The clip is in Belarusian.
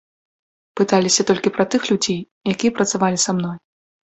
Пыталіся толькі пра тых людзей, якія працавалі са мной.